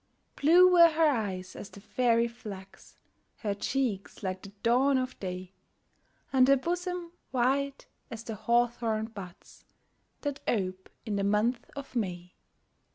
Blue were her eyes as the fairy flax, Her cheeks like the dawn of day, And her bosom white as the hawthorn buds, That ope in the month of May.